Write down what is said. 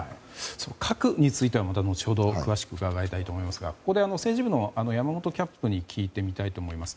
その核についてはまた後程、詳しく伺いたいと思いますが政治部の山本キャップに聞いてみたいと思います。